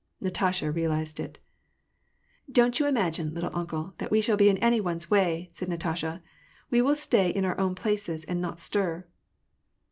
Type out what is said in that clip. Natasha realized it. " Don't you imagine, ' little uncle,' that we shall be in any one^s way," said Natasha. " We will stay in our own places and not stir."